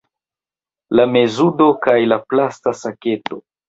La meduzo kaj la plasta saketo